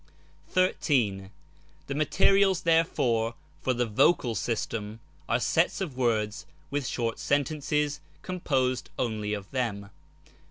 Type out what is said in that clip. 18. The materials therefore for the " Vocal" system are sets of words with short sentences composed only of them